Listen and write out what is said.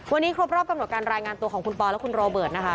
วันนี้ครบรอบกำหนดการรายงานตัวของคุณปอและคุณโรเบิร์ตนะคะ